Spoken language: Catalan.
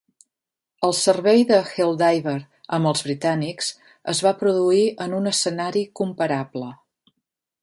El servei de Helldiver amb els britànics es va produir en un escenari comparable.